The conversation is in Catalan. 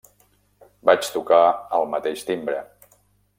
Vaig tocar al mateix timbre.